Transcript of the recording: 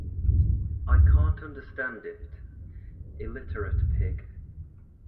I can’t understand it. Illiterate pig.